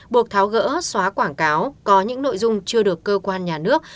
buộc tháo gỡ xóa quảng cáo có những nội dung chưa được cơ quan nhà nước